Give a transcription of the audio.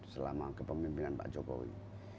selama kepemimpinan pak jokowi